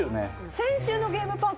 先週のゲームパーク